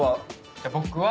じゃあ僕は。